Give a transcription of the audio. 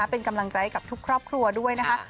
เป็นกำลังใจกับทุกครอบครัวด้วยนะคะ